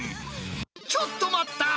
ちょっと待った。